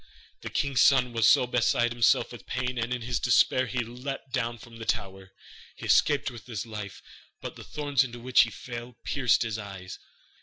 The king's son was beside himself with pain, and in his despair he leapt down from the tower. He escaped with his life, but the thorns into which he fell pierced his eyes.